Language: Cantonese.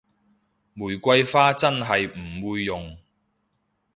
玫瑰花真係唔會用